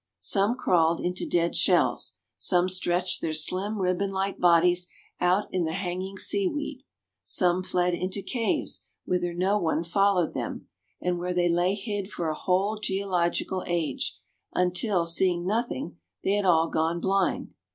Some crawled into dead shells. Some stretched their slim, ribbon like bodies out in the hanging sea weed. Some fled into caves, whither no one followed them, and where they lay hid for a whole geological age, until, seeing nothing, they had all gone blind.